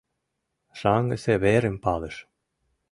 Шаҥгысе верым палыш.